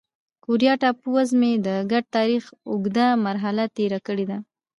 کوریا ټاپو وزمې د ګډ تاریخ اوږده مرحله تېره کړې ده.